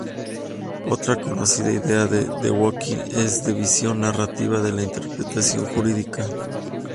Otra conocida idea de Dworkin es la visión "narrativa" de la interpretación jurídica.